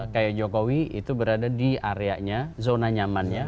kayak jokowi itu berada di areanya zona nyamannya